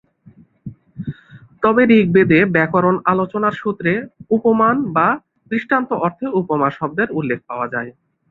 তবে ঋগ্বেদে ব্যাকরণ আলোচনার সূত্রে ‘উপমান’ বা ‘দৃষ্টান্ত’ অর্থে ‘উপমা’ শব্দের উল্লেখ পাওয়া যায়।